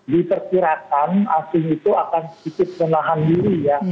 diperkirakan asing itu akan ikut menahan diri ya